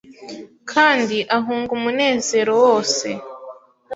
Kandi ahunga umunezero wose